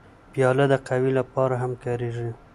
پیاله د قهوې لپاره هم کارېږي.